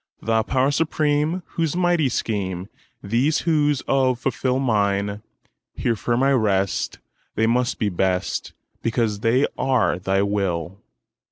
Thou Power Supreme, whose mighty schemeThese woes of mine fulfil, Here firm I rest; they must be best, Because they are Thy will!